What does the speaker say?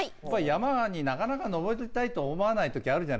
山になかなか登りたいと思わない時ある。